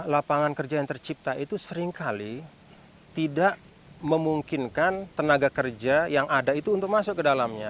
lapangan kerja yang tercipta itu seringkali tidak memungkinkan tenaga kerja yang ada itu untuk masuk ke dalamnya